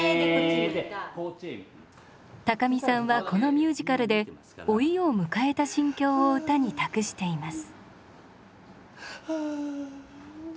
高見さんはこのミュージカルで老いを迎えた心境を歌に託しています。